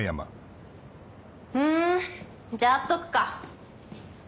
ふんじゃ会っとくか。